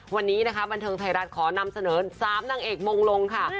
วันนี้นะคะบันเทิงไทยรัฐขอนำเสนอ๓นางเอกมงลงค่ะ